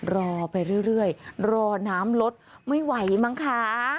รอไปเรื่อยรอน้ำลดไม่ไหวมั้งคะ